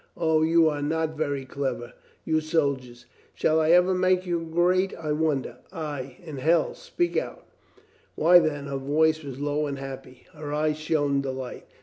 "O, you are not very clever, you soldiers. Shall I ever make you great, I wonder?" "Ay, in hell. Speak out!" "Why, then," her voice was low and happy, her eyes shone delight.